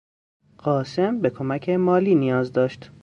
قاسم به کمک مالی نیاز داشت.